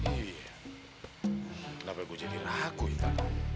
iya kenapa gua jadi ragu ita